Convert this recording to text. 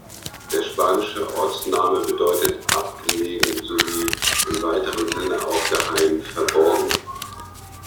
Der spanische Ortsname bedeutet „abgelegen“, sowie im weiteren Sinne auch „geheim, verborgen“.